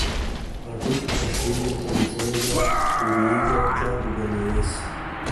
پٹو ، پشیلٸے کنژے گہ تھُوری ژکوگہ نٸیس